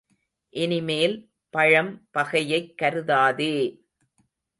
இனிமேல், பழம் பகையைக் கருதாதே!